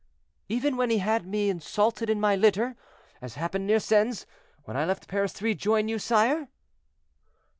"Even when he had me insulted in my litter, as happened near Sens, when I left Paris to rejoin you, sire."